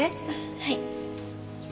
はい。